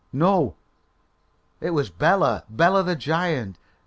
No; it was Bela! Bela, the giant!